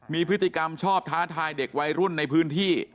มีพฤติกรรมชอบท้าทายเด็กวัยรุ่นในพื้นที่